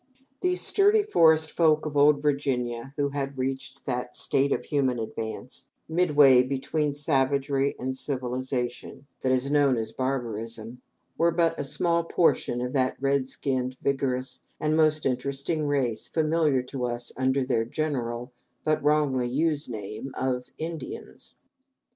These sturdy forest folk of old Virginia, who had reached that state of human advance, midway between savagery and civilization, that is known as barbarism, were but a small portion of that red skinned, vigorous, and most interesting race familiar to us under their general but wrongly used name of "Indians."